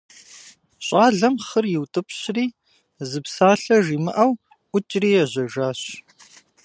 Щӏалэм хъыр иутӏыпщри, зы псалъэ жимыӏэу, ӏукӏри ежьэжащ.